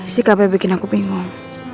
si kb bikin aku bingung